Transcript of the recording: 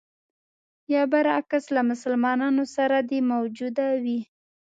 یا برعکس له مسلمانانو سره دې موجوده وي.